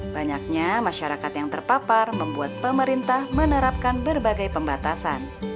banyaknya masyarakat yang terpapar membuat pemerintah menerapkan berbagai pembatasan